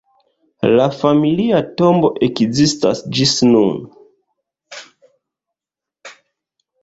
La familia tombo ekzistas ĝis nun.